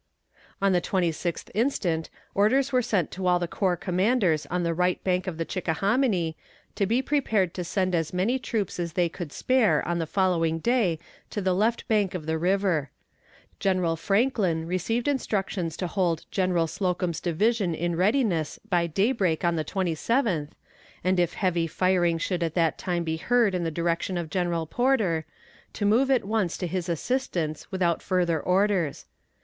On the twenty sixth instant orders were sent to all the corps commanders on the right bank of the Chickahominy to be prepared to send as many troops as they could spare on the following day to the left bank of the river. General Franklin received instructions to hold General Slocum's division in readiness by daybreak on the twenty seventh, and if heavy firing should at that time be heard in the direction of General Porter, to move at once to his assistance without further orders.